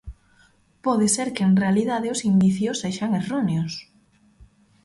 Pode ser que, en realidade, os indicios sexan erróneos.